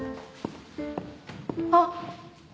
あっ。